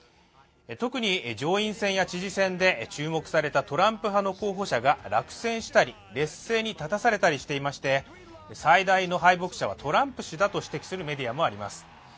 特に上院選や知事選で注目されたトランプ派の候補者が落選したり劣勢に立たされたりしていまして最大の敗北者はトランプ氏だと指摘するメディアもあります。